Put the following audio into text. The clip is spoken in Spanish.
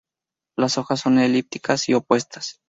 Las hojas son elípticas y opuestas.